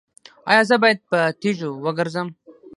ایا زه باید په تیږو وګرځم؟